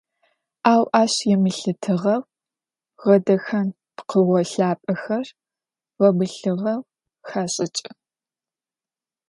Ау ащ емылъытыгъэу гъэдэхэн пкъыгъо лъапӏэхэр гъэбылъыгъэу хашӏыкӏы.